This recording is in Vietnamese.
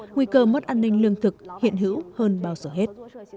nguy cơ mất an ninh lương thực hiện hữu hơn bao giờ hết